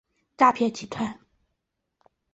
诈骗集团